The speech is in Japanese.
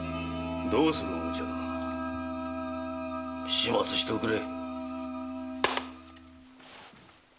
始末しておくれ！